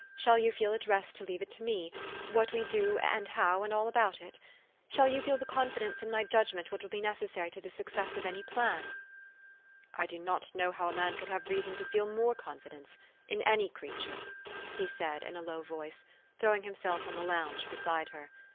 Shall you feel at rest to leave it to me, what we do, and how, and all about it ? Shall you feel the confidence in my judg ment which will be necessary to the success of any plan?" " I do not know how a man could have reason to feel more confidence in any creature," he said in a low voice, throwing himself on the lounge beside her.